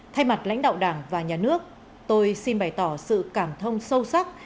thay mặt lãnh đạo đảng và nhà nước tôi xin bày tỏ sự cảm thông sâu sắc